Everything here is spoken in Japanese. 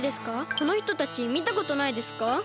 このひとたちみたことないですか？